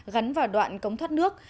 gắn vào đoạn cống thoát nước